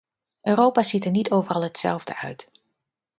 Europa ziet er niet overal hetzelfde uit.